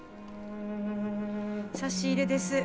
差し入れです。